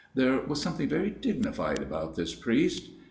There was something very dignified about this priest.